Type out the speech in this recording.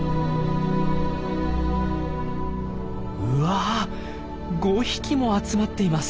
うわ５匹も集まっています。